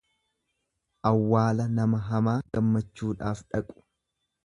Awwaala nama hamaa gammachuudhaaf dhaqu.